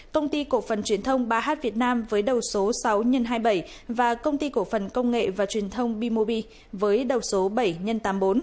công ty cổ phần truyền thông ba h việt nam với đầu số sáu x hai mươi bảy và công ty cổ phần công nghệ và truyền thông bmobi với đầu số bảy x tám mươi bốn